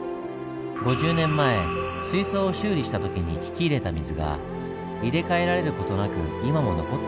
５０年前水槽を修理した時に引き入れた水が入れ替えられる事なく今も残っているんです。